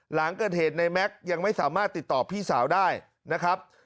หลังเกิดเหตุในแม็กซ์ยังไม่สามารถติดต่อพี่สาวได้นะครับ